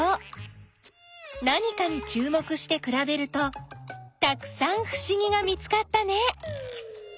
何かにちゅう目してくらべるとたくさんふしぎが見つかったね。